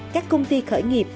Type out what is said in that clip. các công ty khởi nghiệp